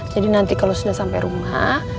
jadi nanti kalau sudah sampai rumah